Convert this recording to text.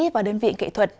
và đơn vị kỹ thuật